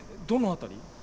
どの辺り？